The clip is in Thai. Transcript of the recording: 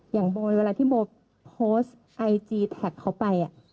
อย่างโบเวลาที่โบโพสต์ไอจีแท็กเขาไป